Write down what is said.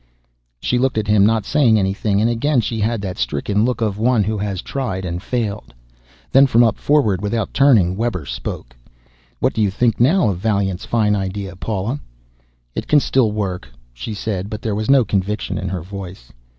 She looked at him, not saying anything, and again she had that stricken look of one who has tried and failed. Then from up forward, without turning, Webber spoke. "What do you think now of Vaillant's fine idea, Paula?" "It can still work," she said, but there was no conviction in her voice.